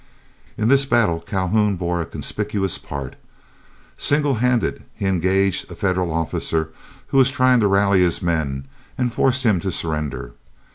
In this battle Calhoun bore a conspicuous part. Single handed he engaged a Federal officer who was trying to rally his men, and forced him to surrender.